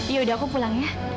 yaudah aku pulang ya